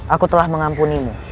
aku telah mengampunimu